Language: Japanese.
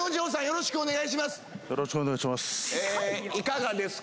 よろしくお願いします